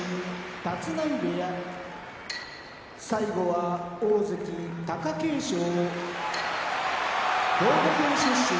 立浪部屋大関・貴景勝兵庫県出身